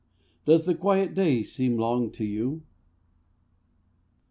Does the quiet day seem long to you?